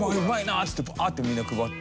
っつってバーッてみんな配って。